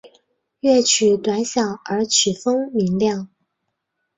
乐曲短小而曲风明亮。